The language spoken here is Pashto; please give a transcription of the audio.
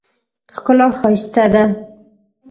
ښکلا ښایسته ده.